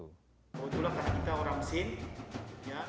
kau tulahkan kita orang mesin ya